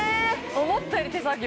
思ったより手作業。